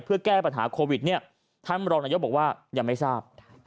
เพื่อแก้ปัญหาโควิดเนี่ยท่านรองนายกบอกว่ายังไม่ทราบ